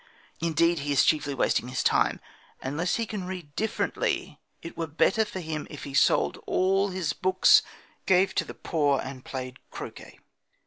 Indeed, he is chiefly wasting his time. Unless he can read differently, it were better for him if he sold all his books, gave to the poor, and played croquet.